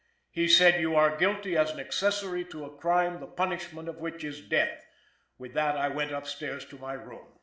He said you are guilty as an accessory to a crime the punishment of which is death. With that I went up stairs to my room."